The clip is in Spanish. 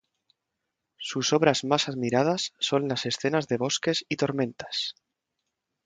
Sus obras más admiradas son las escenas de bosques y tormentas.